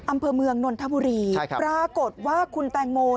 อำเภอเมืองนนทบุรีปรากฏว่าคุณแตงโม